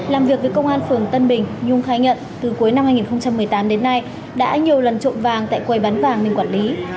làm việc với công an phường tân bình nhung khai nhận từ cuối năm hai nghìn một mươi tám đến nay đã nhiều lần trộm vàng tại quầy bán vàng mình quản lý